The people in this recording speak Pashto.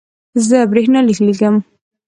زه برېښنالیک لیږم